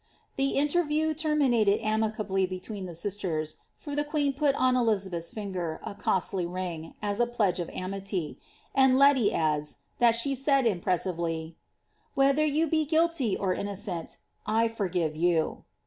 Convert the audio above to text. The inlertiew lermiiisteJ amipably between tlie Bislers, for the queen [>ui on Elizabeth's finger a costly rtn^, as a jileilge of amity ; and I^alff | ndiU, that she said impressively, " Whether you be guilty or inn'icenU ^^ forgive you."